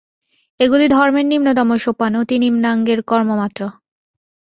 এগুলি ধর্মের নিম্নতম সোপান, অতি নিম্নাঙ্গের কর্মমাত্র।